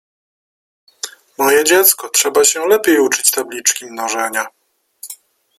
— Moje dziecko, trzeba się lepiej uczyć tabliczki mnożenia.